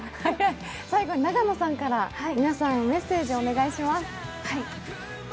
最後に永野さんから皆さんにメッセージをお願いします。